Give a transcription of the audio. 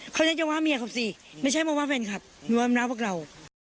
เขาใช้จะว่าเมียเขาสิไม่ใช่ว่าว่าแฟนคลับหรือว่าว่ามันรักกับเรา